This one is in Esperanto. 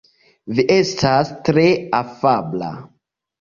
Vi estas tre afabla.